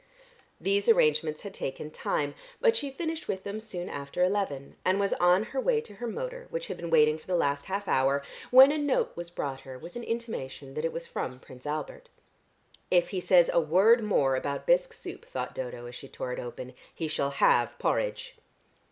These arrangements had taken time, but she finished with them soon after eleven, and was on her way to her motor which had been waiting for the last half hour when a note was brought her with an intimation that it was from Prince Albert. "If he says a word more about bisque soup," thought Dodo, as she tore it open, "he shall have porridge."